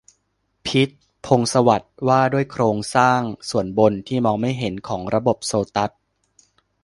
พิชญ์ พงษ์สวัสดิ์ : ว่าด้วยโครงสร้างส่วนบน ที่มองไม่เห็น ของระบบโซตัส